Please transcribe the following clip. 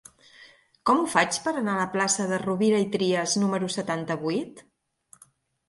Com ho faig per anar a la plaça de Rovira i Trias número setanta-vuit?